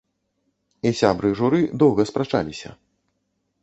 І сябры журы доўга спрачаліся.